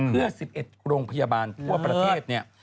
เพื่อ๑๑โรงพยาบาลทั่วประเทศเนี่ย